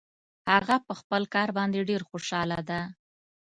هغه په خپل کار باندې ډېر خوشحاله ده